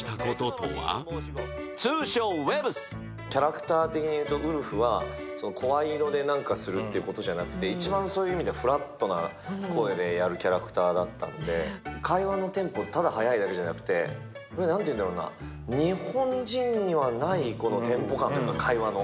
キャラクター的にいうとウルフは声色で何かするということではなくて一番そういう意味ではフラットな声でやるキャラクターだったので、会話のテンポ、ただ早いだけじゃなくて、日本人にはないテンポ感、会話が。